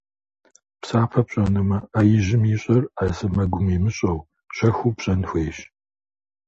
Псапэ пщӏэнумэ, ӏэ ижьым ищӏэр ӏэ сэмэгум имыщӏэу, щэхуу пщӏэн хуейщ.